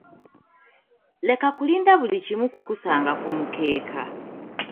Leka kulinda buli kimu kukusanga ku mukeeka.